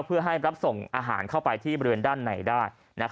เพื่อให้รับส่งอาหารเข้าไปที่บริเวณด้านในได้